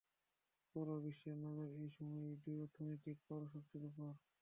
পুরো বিশ্বের নজর এই সময় এই দুই অর্থনৈতিক পরাশক্তির উপর।